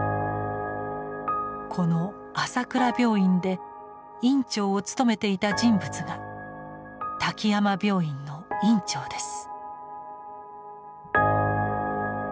この朝倉病院で院長を務めていた人物が滝山病院の院長です。